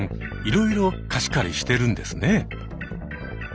いろいろ貸し借りしてるんですね。